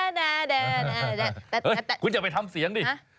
แต่คุณอย่าไปทำเสียงดิ